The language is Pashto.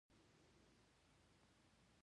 اوسمهال چارې مو اوږد مهاله موخې ته رسوي.